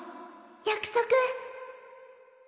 約束。